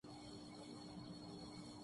تو انہیں دور کیجیے۔